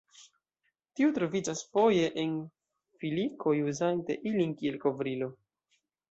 Tiu troviĝas foje en filikoj, uzante ilin kiel kovrilo.